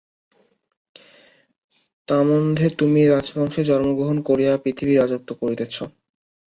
তন্মধ্যে তুমি রাজবংশে জন্ম গ্রহণ করিয়া পৃথিবীর রাজত্ব করিতেছ।